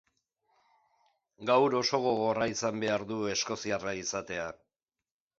Gaur oso gogorra izan behar du eskoziarra izatea.